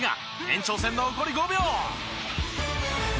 延長戦残り５秒。